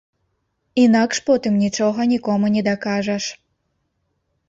Інакш потым нічога нікому не дакажаш.